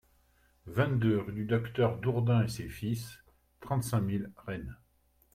vingt-deux rue Docteur Dordain et ses Fils, trente-cinq mille Rennes